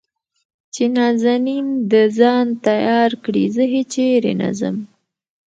چې نازنين د ځان تيار کړي زه هېچېرې نه ځم .